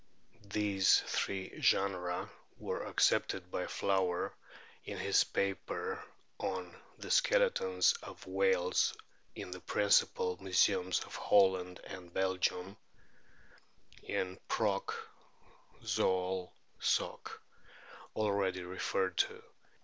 These three 146 A BOOK OR WHALES, genera were accepted by Flower in his paper on " The Skeletons of Whales in the principal Museums of Holland and Belgium" (in Proc. Zool. Soc. already referred to).